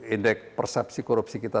indeks persepsi korupsi kita